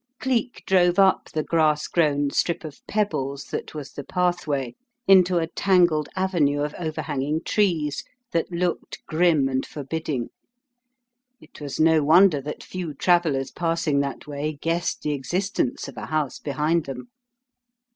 Cleek drove up the grass grown strip of pebbles that was the pathway into a tangled avenue of overhanging trees that looked grim and forbidding. It was no wonder that few travellers passing that way guessed the existence of a house behind them.